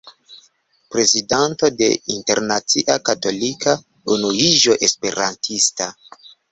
Prezidanto de Internacia Katolika Unuiĝo Esperantista.